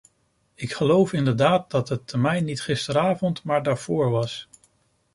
Ik geloof inderdaad dat de termijn niet gisteravond maar daarvoor was.